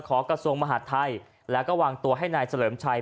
ขอกระทรวงมหาธัยเราก็วางตัวให้นายสะเลิมชัย